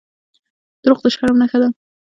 • دروغ د شرم نښه ده.